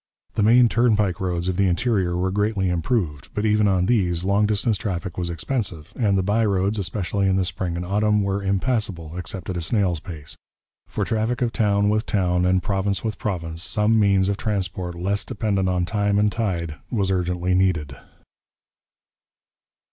The main turnpike roads of the interior were greatly improved, but even on these long distance traffic was expensive, and the by roads, especially in the spring and autumn, were impassable except at a snail's pace. For traffic of town with town and province with province some means of transport less dependent on time and tide was urgently needed.